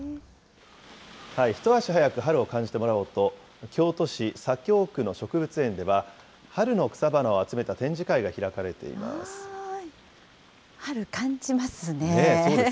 一足早く春を感じてもらおうと、京都市左京区の植物園では、春の草花を集めた展示会が開かれています。